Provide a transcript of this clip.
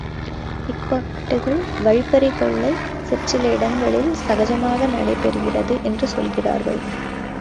பிக்பாக்கட்டுகள் வழிபறிக் கொள்ளை சிற்சில இடங்களில் சகஜமாக நடை பெறுகிறது என்று சொல்கிறார்கள்.